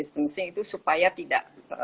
kunci itu supaya tidak